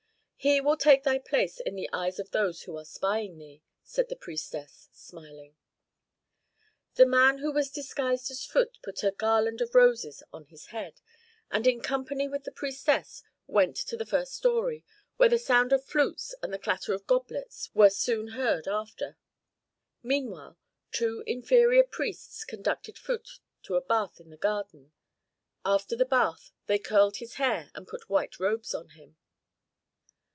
"He will take thy place in the eyes of those who are spying thee," said the priestess, smiling. The man who was disguised as Phut put a garland of roses on his head, and in company with the priestess went to the first story, where the sound of flutes and the clatter of goblets were heard soon after. Meanwhile two inferior priests conducted Phut to a bath in the garden. After the bath they curled his hair and put white robes on him.